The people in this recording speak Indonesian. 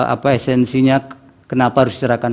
apa esensinya kenapa harus diserahkan